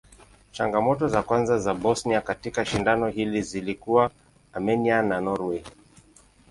Changamoto za kwanza za Bosnia katika shindano hili zilikuwa Armenia na Norway.